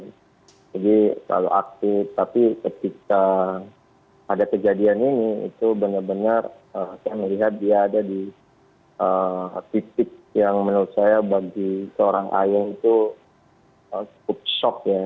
jadi kalau aktif tapi ketika ada kejadian ini itu benar benar saya melihat dia ada di titik yang menurut saya bagi seorang ayah itu cukup shock ya